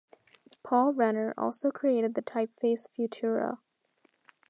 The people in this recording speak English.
Paul Renner also created the typeface Futura.